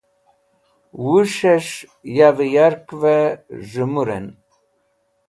Wus̃hẽs̃h yavẽ yarkvẽ z̃hẽmũrẽn.